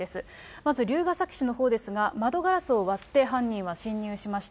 まず龍ケ崎市のほうですが、窓ガラスを割って、犯人は侵入しました。